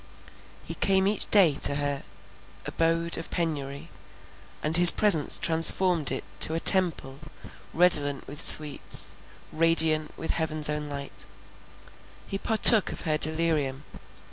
He came each day to her abode of penury, and his presence transformed it to a temple redolent with sweets, radiant with heaven's own light; he partook of her delirium.